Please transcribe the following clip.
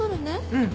うん。